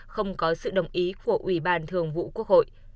không có sự đồng ý của ủy ban thường vụ quốc hội